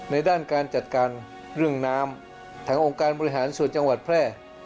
ในด้านการจัดการเรื่องน้ำทางองค์การบริหารส่วนจังหวัดแพร่